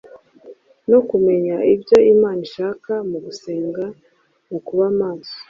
no kumenya ibyo Imana ishaka Mu gusenga, mu kuba maso,